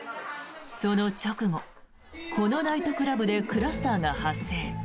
その直後、このナイトクラブでクラスターが発生。